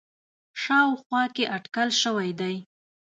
ه شاوخوا کې اټکل شوی دی